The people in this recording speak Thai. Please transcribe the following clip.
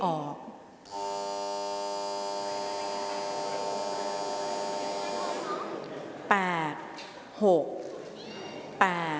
ออกรางวัลเลขหน้า๓ตัวครั้งที่๒